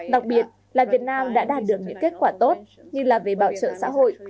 đặc biệt là việt nam đã đạt được những kết quả tốt như là về bảo trợ xã hội